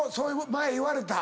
前言われた。